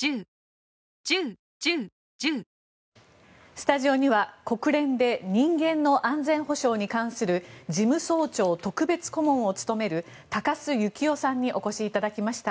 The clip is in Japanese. スタジオには国連で人間の安全保障に関する事務総長特別顧問を務める高須幸雄さんにお越しいただきました。